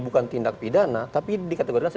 bukan tindak pidana tapi dikategorikan